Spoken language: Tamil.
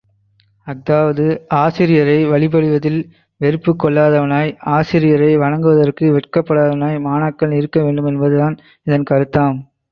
அஃதாவது, ஆசிரியரை வழிபடுவதில் வெறுப்புக் கொள்ளாதவனாய் ஆசிரியரை வணங்குவதற்கு வெட்கப்படாதவனாய் மாணாக்கன் இருக்க வேண்டும் என்பது இதன் கருத்தாம்.